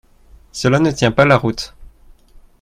Cela ne tient pas la route.